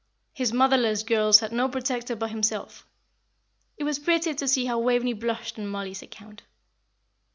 His motherless girls had no protector but himself. It was pretty to see how Waveney blushed on Mollie's account.